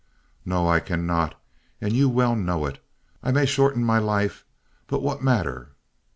"No, I cannot, and you well know it. I may shorten my life, but what matter.